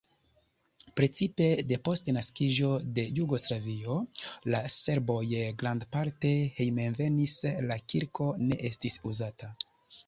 Precipe depost naskiĝo de Jugoslavio la serboj grandparte hejmenvenis, la kirko ne estis uzata.